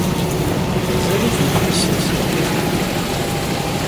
Mazal-it di tbessasin.